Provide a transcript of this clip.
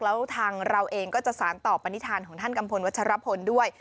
แล้วทางเราเองก็จะสารต่อปณิธานของท่านกัมพลวัชรพลด้วย